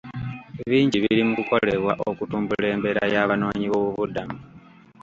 Bingi biri mu kukolebwa okutumbula embeera y'abanoonyi b'obubuddamu.